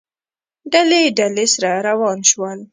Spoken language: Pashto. ډلې، ډلې، سره وران شول